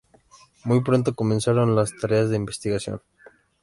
Muy pronto comenzaron las tareas de investigación.